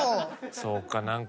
そうか何か。